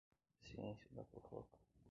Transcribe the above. Ciência da fofoca